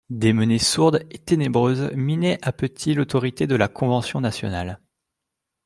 Des menées sourdes et ténébreuses minaient à petit bruit l'autorité de la Convention nationale.